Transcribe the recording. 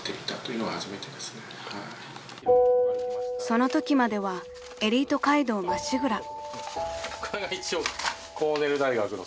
［そのときまではエリート街道まっしぐら］